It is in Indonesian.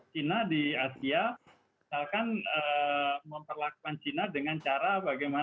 china di asia misalkan memperlakukan china dengan cara bagaimana